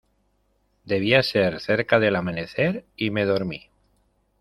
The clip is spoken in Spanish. debía ser cerca del amanecer, y me dormí.